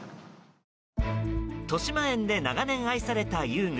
としまえんで長年愛された遊具。